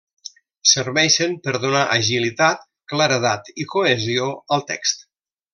Serveixen per donar agilitat, claredat i cohesió al text.